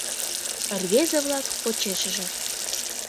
Рвезе-влак — почешыже.